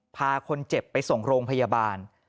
พาคนเจ็บไปส่งโรงพยาบาล